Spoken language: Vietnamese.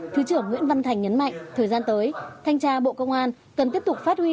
thứ trưởng nguyễn văn thành nhấn mạnh thời gian tới thanh tra bộ công an cần tiếp tục phát huy